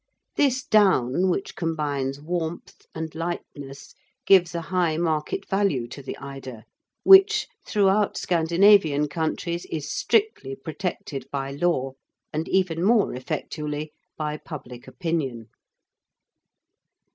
This down, which combines warmth and lightness, gives a high market value to the eider, which, throughout Scandinavian countries is strictly protected by law and even more effectually by public opinion.